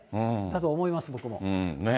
だと思います、僕も。